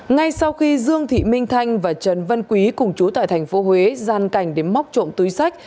ngay sau khi dương thị minh thanh và trần vân quý cùng chú tại tp hcm gian cảnh đến móc trộm túi sách